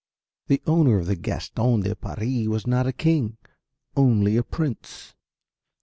The owner of the Gaston de Paris was not a king, only a prince.